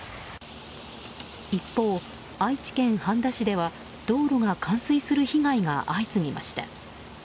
一方、愛知県半田市では道路が冠水する被害が相次ぎました。